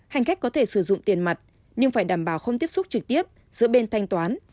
hành khách có thể sử dụng tiền mặt nhưng phải đảm bảo không tiếp xúc trực tiếp giữa bên thanh toán